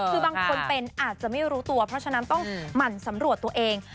คือบางคนเป็นอาจจะไม่รู้ตัวเพราะฉะนั้นต้องหมั่นสำรวจตัวเอง